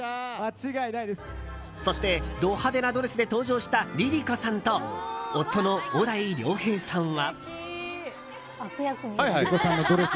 そしてド派手なドレスで登場したＬｉＬｉＣｏさんと夫の小田井涼平さんは。